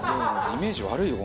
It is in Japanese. イメージ悪いよ